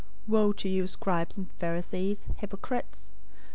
023:023 "Woe to you, scribes and Pharisees, hypocrites!